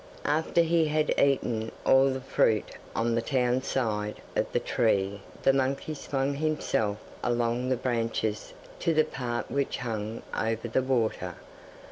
After he had eaten all the fruit on the town side of the tree the monkey swung himself along the branches to the part which hung over the water.